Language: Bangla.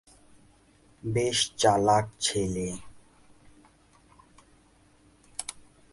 বেশ চালাক ছেলে।